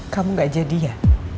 kamu ga jadi ya